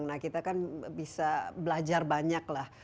nah kita kan bisa belajar banyak lah